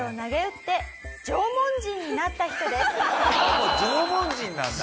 もう縄文人なんだ？